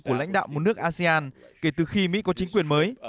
của lãnh đạo một nước asean kể từ khi mỹ có chính quyền mới